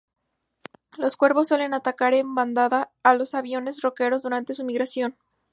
Los cuervos suelen atacar en bandada a los aviones roqueros durante su migración.